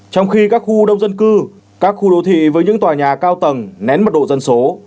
trong khi các khu đông dân cư các khu đô thị với những tòa nhà cao tầng nén mật độ dân số